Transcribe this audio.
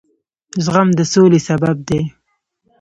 زغم د سولې سبب دی.